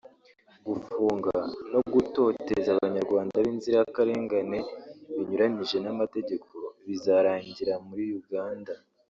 gufunga no gutoteza abanyarwanda b’inzirakarengane binyuranyije n’amategeko bizarangirira muri Uganda